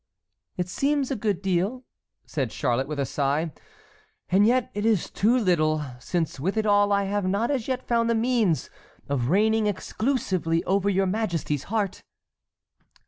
"It seems a good deal," said Charlotte, with a sigh, "and yet it is too little, since with it all I have not as yet found the means of reigning exclusively over your majesty's heart."